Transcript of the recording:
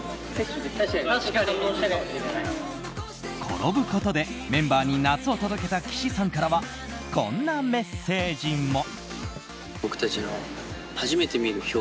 転ぶことでメンバーに夏を届けた岸さんからはこんなメッセージも。